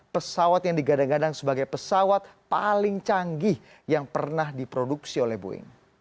pesawat yang digadang gadang sebagai pesawat paling canggih yang pernah diproduksi oleh boeing